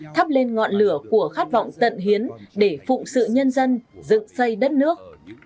thắp lên ngọn lửa của khát vọng tận hiến để phụng sự nhân dân dựng xây đất nước